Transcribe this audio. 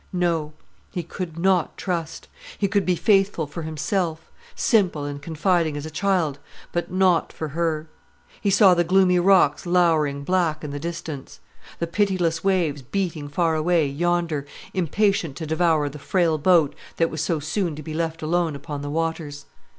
No; he could not trust. He could be faithful for himself; simple and confiding as a child; but not for her. He saw the gloomy rocks louring black in the distance; the pitiless waves beating far away yonder, impatient to devour the frail boat that was so soon to be left alone upon the waters.